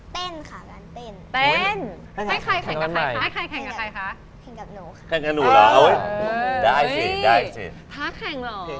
เต้นค่ะการเต้น